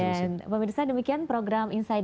dan pemirsa demikian program insiders hari ini